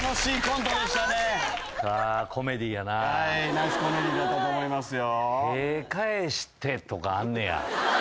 ナイスコメディーだったと思いますよ。